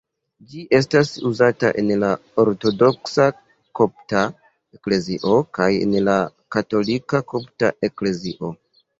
Ĝi estas uzata en la Ortodoksa Kopta Eklezio kaj en la Katolika Kopta Eklezio.